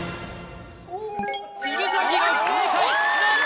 鶴崎が不正解何と！